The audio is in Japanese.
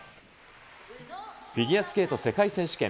フィギュアスケート世界選手権。